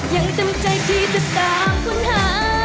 ยังจำใจที่จะตามคุณหา